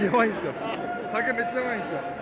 酒めっちゃ弱いんすよ。